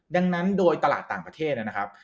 ดังนั้นโดยตลาดต่างประเทศนะครับ